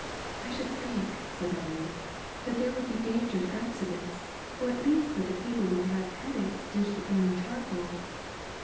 '' *'I should think," said Marie, ^*that there would be danger of accidents, or at least that the people would have headaches due to the burning charcoal."